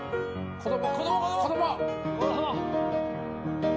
子供！